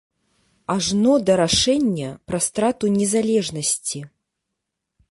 Ажно да рашэння пра страту незалежнасці.